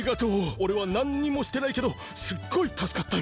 おれはなんにもしてないけどすっごいたすかったよ。